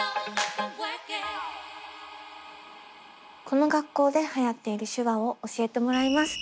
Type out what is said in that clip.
この学校ではやっている手話を教えてもらいます。